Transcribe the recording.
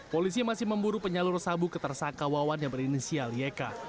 polisi masih memburu penyalur sabu ke tersangka wawan yang berinisial yk